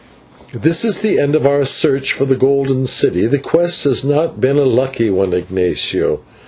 "This is the end of our quest for the Golden City. The quest has not been a lucky one, Ignatio."